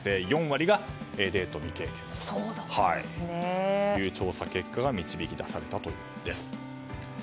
４割がデート未経験だったという調査結果が導き出されたというんです。